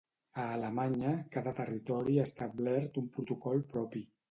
A Alemanya, cada territori ha establert un protocol propi.